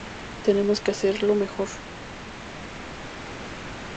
Tenemos que hacerlo mejor.